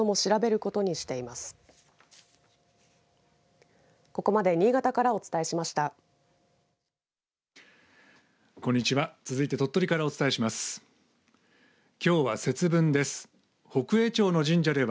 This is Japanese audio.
こんにちは。